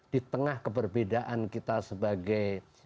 di tengah keberbedaan kita sebagai